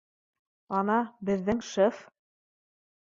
Ана, беҙҙең шеф